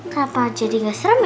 kenapa jadi gak serem ya